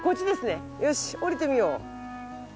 よし下りてみよう。